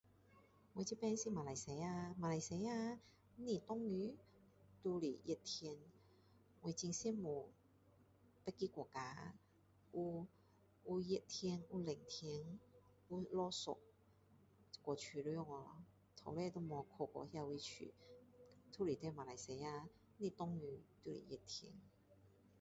我这边是马来西亚马来西亚不是下雨就是热天我很羡慕别个国家有有热天有冷天有下雪太舒服了从来都没去过那些地方都是在马来西亚不是下雨就是热天